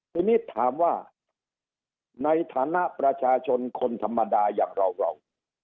ทีนี้ถามว่าในฐานะประชาชนคนธรรมดาอย่างเรา